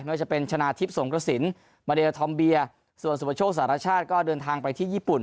ว่าจะเป็นชนะทิพย์สงกระสินมาเลทอมเบียส่วนสุปโชคสารชาติก็เดินทางไปที่ญี่ปุ่น